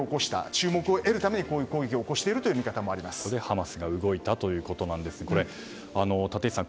注目を得るためにこういう攻撃を起こしているそれでハマスが動いたということですが立石さん